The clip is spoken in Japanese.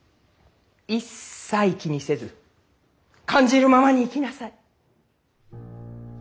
一切気にせず感じるままに生きなさい。